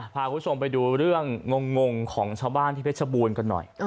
พาคุณผู้ชมไปดูเรื่องงงของชาวบ้านที่เพชรบูรณ์กันหน่อย